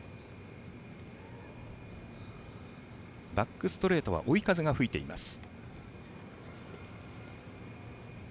バックストレートは追い風が吹いています。